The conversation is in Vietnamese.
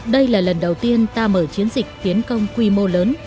đây là lần đầu tiên ta mở chiến dịch tiến công quy mô lớn